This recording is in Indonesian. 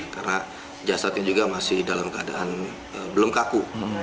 karena jasadnya juga masih dalam keadaan belum kaku